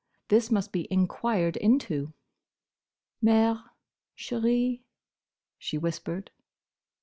This must be enquired into. "Mère, chérie," she whispered.